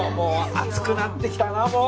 暑くなってきたなもう。